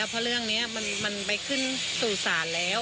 เพราะเรื่องนี้มันไปขึ้นสู่ศาลแล้ว